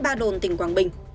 ngoài ra đồn tỉnh quảng bình